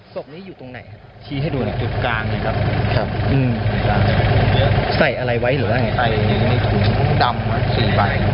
ศพนี้อยู่ตรงไหนครับชี้ให้ดูนะครับใส่อะไรไว้หรือว่าไง